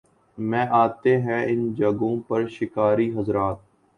میں آتے ہیں ان جگہوں پر شکاری حضرات